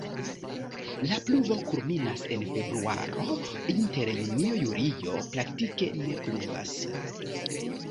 La pluvo kulminas en februaro, inter junio-julio praktike ne pluvas.